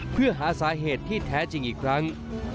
เพื่อหาสาเหตุที่แท้จริงอีกครั้ง